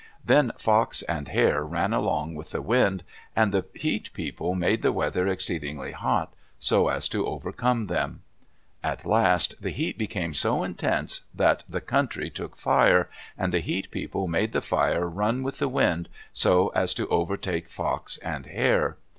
Then Fox and Hare ran along with the wind, and the Heat People made the weather exceedingly hot, so as to overcome them. At last the heat became so intense that the country took fire, and the Heat People made the fire run with the wind so as to overtake Fox and Hare.